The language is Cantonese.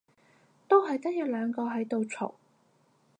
都係得一兩個喺度嘈